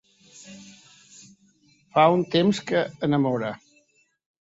Fa un temps que enamora!